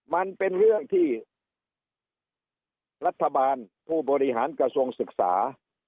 มันเป็นเรื่องที่รัฐบาลผู้บริหารกระทรวงศึกษา